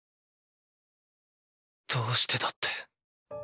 どうしてだって？